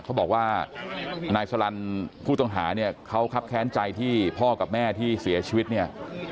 เขาบอกว่านายสลันผู้ต้องหาเนี่ยเขาครับแค้นใจที่พ่อกับแม่ที่เสียชีวิตเนี่ย